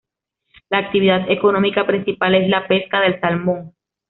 La actividad económica principal es la pesca del salmón.